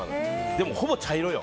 でも、ほぼ茶色よ。